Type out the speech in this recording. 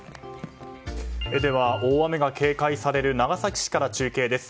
では、大雨が警戒される長崎市から中継です。